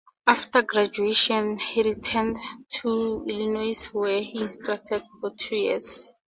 After graduation he returned to Illinois where he instructed for two years.